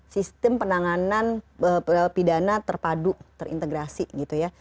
sistem penanganan pidana terpadu terintegrasi gitu ya